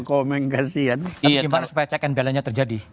komunikasi kan tapi gimana supaya check and balance nya terjadi